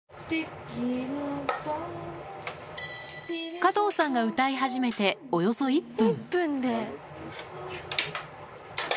加藤さんが歌い始めておよそ１分。